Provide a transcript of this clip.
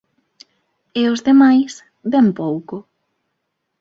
E os demais, ben pouco.